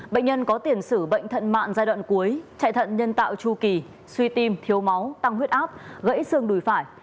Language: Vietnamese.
bệnh nhân có tiền sử bệnh thận mạng giai đoạn cuối chạy thận nhân tạo chu kỳ suy tim thiếu máu tăng huyết áp gãy xương đùi phải